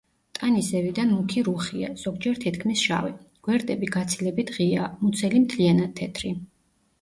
ტანი ზევიდან მუქი რუხია, ზოგჯერ თითქმის შავი; გვერდები გაცილებით ღიაა; მუცელი მთლიანად თეთრი.